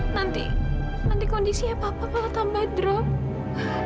nanti nanti kondisi apa apa kalau tambah drop